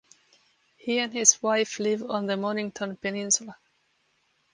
He and his wife live on the Mornington Peninsula.